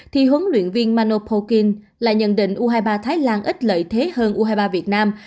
thì huấn luyện viên manopokin lại nhận định u hai mươi ba thái lan ít lợi thế hơn u hai mươi ba việt nam